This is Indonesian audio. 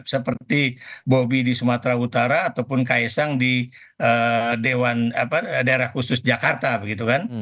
seperti bobi di sumatera utara ataupun kaisang di dewan daerah khusus jakarta begitu kan